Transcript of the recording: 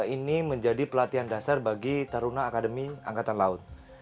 ini menjadi pelatihan dasar bagi taruna akademi angkatan laut